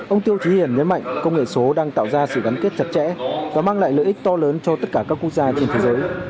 ông tiêu trí hiển nhấn mạnh công nghệ số đang tạo ra sự gắn kết chặt chẽ và mang lại lợi ích to lớn cho tất cả các quốc gia trên thế giới